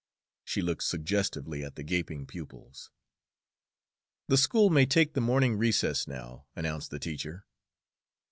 She looked suggestively at the gaping pupils. "The school may take the morning recess now," announced the teacher.